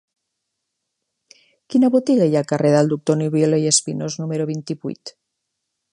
Quina botiga hi ha al carrer del Doctor Nubiola i Espinós número vint-i-vuit?